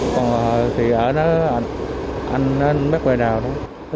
còn thì ở đó anh bắt quay đầu